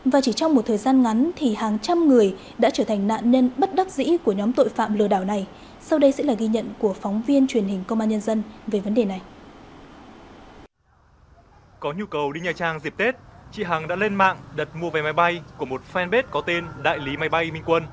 và chỉ trong một thời gian ngắn thì hàng trăm người đã trở thành nạn nhân bất đắc dĩ của nhóm tội phạm lừa đảo này sau đây sẽ là ghi nhận của phóng viên truyền hình công an nhân dân về vấn đề này